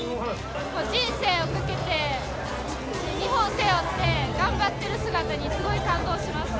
人生をかけて、日本を背負って、頑張ってる姿にすごい感動しました。